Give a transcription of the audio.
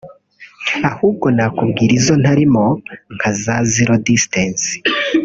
ahubwo wenda nakubwira izo ntarimo nka zero distance